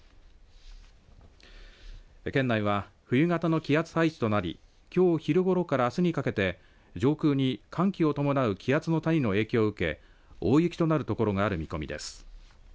県内は冬型の気圧配置となりきょう昼ごろから、あすにかけて上空に寒気を伴う気圧の谷の影響を受け大雪となる所がある見込みです。